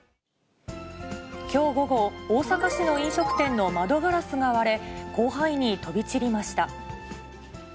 きょう午後、大阪市の飲食店の窓ガラスが割れ、広範囲に飛び散りました。